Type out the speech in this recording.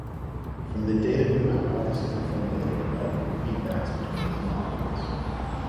From the data new hypotheses are formulated about feedbacks between these molecules.